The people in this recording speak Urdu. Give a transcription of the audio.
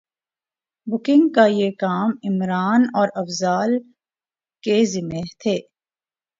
بکنگ کا یہ کام عمران اور افضال کے ذمے تھے